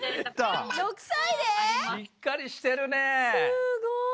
すごい。